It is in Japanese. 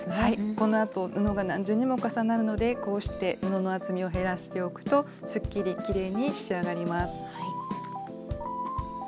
このあと布が何重にも重なるのでこうして布の厚みを減らしておくとすっきりきれいに仕上がります。